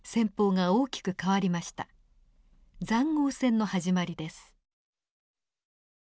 塹壕戦の始まりです。